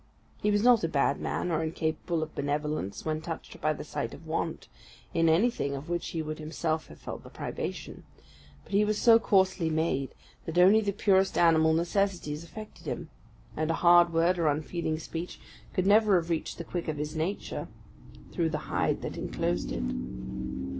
He was not a bad man, or incapable of benevolence when touched by the sight of want in anything of which he would himself have felt the privation; but he was so coarsely made that only the purest animal necessities affected him, and a hard word, or unfeeling speech, could never have reached the quick of his nature through the hide that enclosed it.